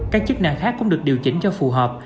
các chức năng khác cũng được điều chỉnh cho phù hợp